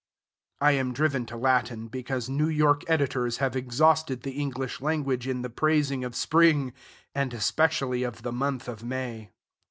(I am driven to Latin because New York editors have exhausted the English language in the praising of spring, and especially of the month of May.)